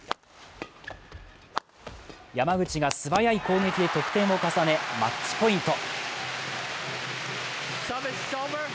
山口が素早い攻撃で得点を重ね、マッチポイント。